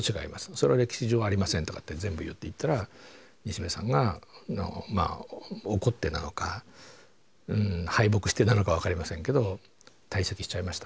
それは歴史上ありません」とかって全部言っていったら西部さんがまあ怒ってなのか敗北してなのか分かりませんけど退席しちゃいました。